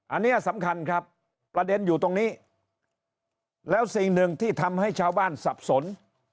อันนี้สำคัญครับประเด็นอยู่ตรงนี้แล้วสิ่งหนึ่งที่ทำให้ชาวบ้านสับสน